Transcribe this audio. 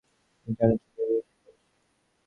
পরাণই মতির মনকে গাওদিয়ার দিকে টানিতেছিল বেশি করিয়া।